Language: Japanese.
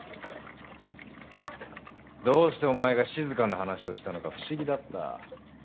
どうしてお前が静の話をしたのか不思議だった。